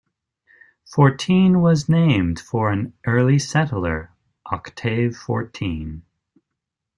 Fortine was named for an early settler, Octave Fortine.